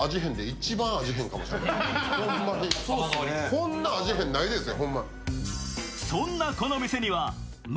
こんな味変ないですよ。